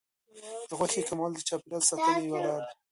د غوښې کمول د چاپیریال ساتنې یوه لار ده.